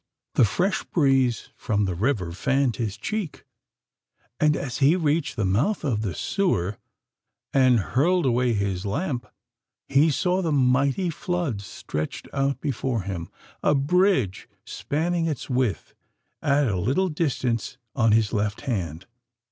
The fresh breeze from the river fanned his cheek—and, as he reached the mouth of the sewer, and hurled away his lamp, he saw the mighty flood stretched out before him—a bridge spanning its width at a little distance on his left hand.